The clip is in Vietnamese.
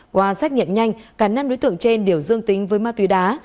qua xét nghiệm nhanh cả năm đối tượng trên đều dương tính với ma túy đá